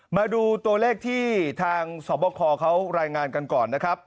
มาดูตัวเลขที่ทางสอบบอกคอเขารายงานกันก่อน